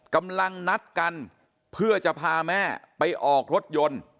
กำลังนัดกันเพื่อจะพาแม่ไปออกรถยนต์